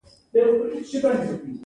د دغو غونډو یو مهم اړخ طبقاتي یووالی و.